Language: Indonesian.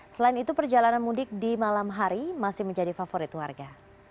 selain itu perjalanan mudik di malam hari masih menjadi favorit warga